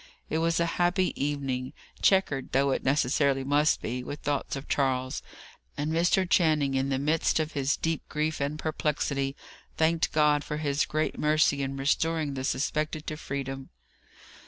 It was a happy evening, chequered, though it necessarily must be, with thoughts of Charles. And Mr. Channing, in the midst of his deep grief and perplexity, thanked God for His great mercy in restoring the suspected to freedom.